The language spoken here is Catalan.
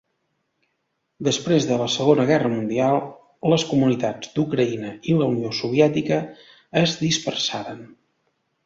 Després de la Segona Guerra Mundial, les comunitats d'Ucraïna i la Unió Soviètica es dispersaren.